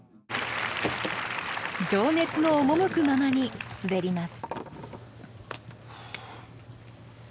情熱の赴くままに滑ります。